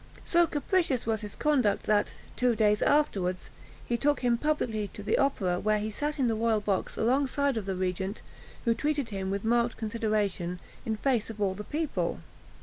So capricious was his conduct, that, two days afterwards, he took him publicly to the opera, where he sat in the royal box alongside of the regent, who treated him with marked consideration in face of all the people.